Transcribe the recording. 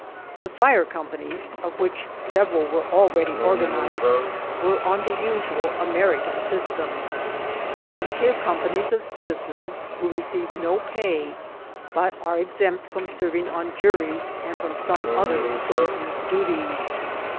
The fire companies, of which several were already organized, were on the usual American system — vol unteer companies of citizens, who receive no pay, but are exempt from serving on juries and from some other citizens' duties.